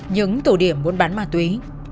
những tổ điểm buôn bán ma túy